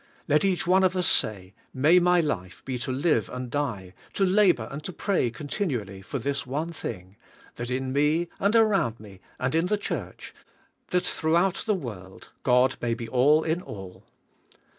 Let each one of us say, "May my life be to live and die, to labor and to pray continually for this one thing: that in me, and around me, and in the church; that through out the world 'God may be all in all.'